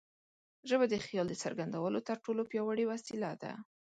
ژبه د خیال د څرګندولو تر ټولو پیاوړې وسیله ده.